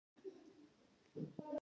آیا تعزیه یو ډول مذهبي ننداره نه ده؟